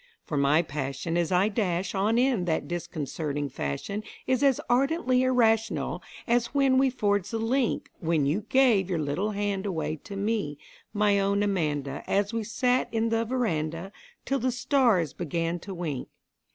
For my passion as I dash on in that disconcerting fashion Is as ardently irrational as when we forged the link When you gave your little hand away to me, my own Amanda An we sat 'n the veranda till the stars began to wink.